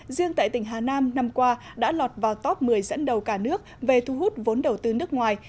riêng tại tỉnh hà nam năm qua đã lọt vào top một mươi dẫn đầu cả nước về thu hút vốn đầu tư nước ngoài